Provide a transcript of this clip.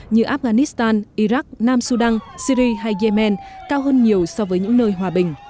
như afghanistan iraq nam sudan syri hay yemen cao hơn nhiều so với những nơi hòa bình